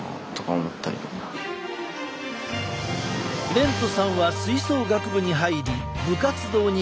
廉都さんは吹奏楽部に入り部活動に夢中。